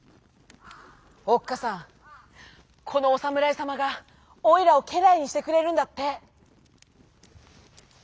「おっかさんこのおさむらいさまがオイラをけらいにしてくれるんだって」。